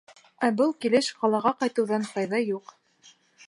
Ә был килеш ҡалаға ҡайтыуҙан файҙа юҡ.